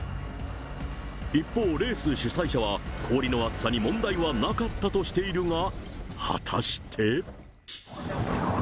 一方、レース主催者は、氷の厚さに問題はなかったとしているが、果たして。